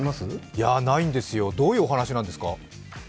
いや、ないんですよ、どういうお話なんですか？